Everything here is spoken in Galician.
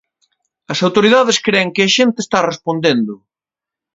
As autoridades cren que a xente está respondendo.